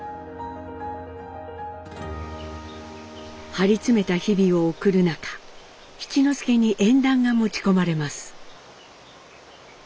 張り詰めた日々を送る中七之助に縁談が持ち込まれます。